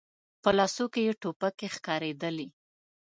په لاسونو کې يې ټوپکې ښکارېدلې.